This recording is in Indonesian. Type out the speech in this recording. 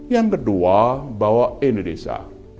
yang kedua bahwa indonesia